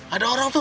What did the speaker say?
ada orang tuh